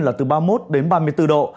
là từ ba mươi một đến ba mươi bốn độ